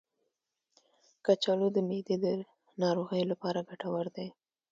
کچالو د معدې د ناروغیو لپاره ګټور دی.